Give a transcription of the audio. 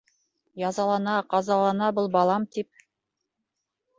Язалана, ҡазалана был балам, тип.